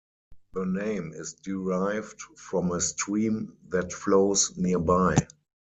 The name is derived from a stream that flows nearby.